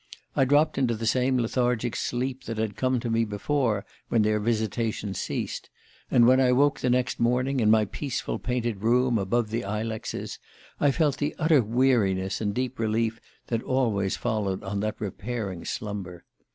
I dropped into the same lethargic sleep that had come to me before when their visitations ceased; and when I woke the next morning, in my peaceful painted room above the ilexes, I felt the utter weariness and deep relief that always followed on that repairing slumber.